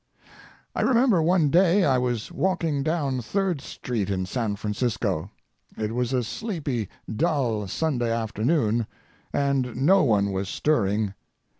I remember one day I was walking down Third Street in San Francisco. It was a sleepy, dull Sunday afternoon, and no one was stirring.